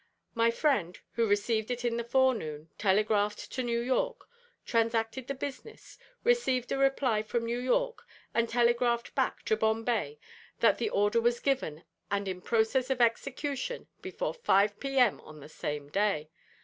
My friend, who received it in the forenoon, telegraphed to New York, transacted the business, received a reply from New York, and telegraphed back to Bombay that the order was given and in process of execution before five p.m. on the same day.